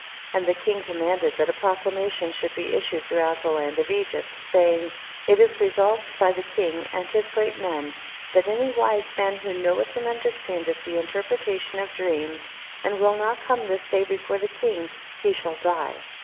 1.3. And the king commanded that a proclamation should be issued throughoJit the land of Egpt, saying, it is resolved by the king and his great men, that any wise man who knoweth and understandeth the in terpretation of dreams, and will not come this day before the king, he shall die.